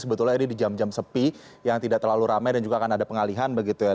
sebetulnya ini di jam jam sepi yang tidak terlalu ramai dan juga akan ada pengalihan begitu ya